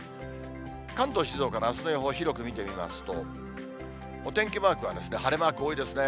関東、静岡のあすの予報、広く見てみますと、お天気マークは晴れマーク多いですね。